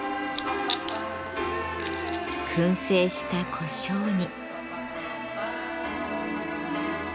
燻製したこしょうに。